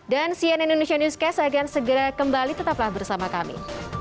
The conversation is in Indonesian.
dan cnn indonesia newscast akan segera kembali tetaplah bersama kami